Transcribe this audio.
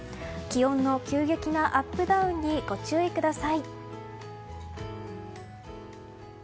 気温の急激なアップダウンにご注意ください。